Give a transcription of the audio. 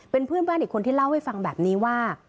เป็นเพื่อนบ้านอีกคนที่เล่าให้ฟังแบบนี้ว่า